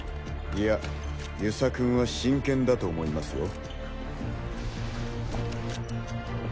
いや遊佐君は真剣だと思いますよ。